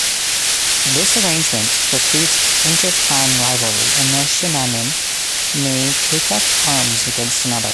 This arrangement precludes inter-clan rivalry, and no Shin'a'in may take up arms against another.